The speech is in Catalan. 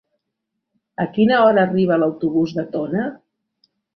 A quina hora arriba l'autobús de Tona?